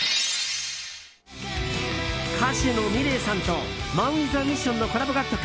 歌手のｍｉｌｅｔさんとＭＡＮＷＩＴＨＡＭＩＳＳＩＯＮのコラボ楽曲